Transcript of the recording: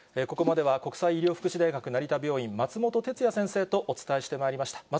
ここまでは国際医療福祉大学成田病院、松本哲哉先生とお伝えしてまいりました。